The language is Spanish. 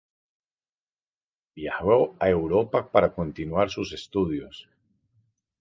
Viajó a Europa para continuar sus estudios.